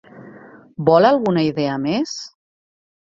Vol alguna idea més?